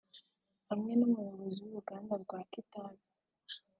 hamwe n’umuyobozi w’uruganda rwa Kitabi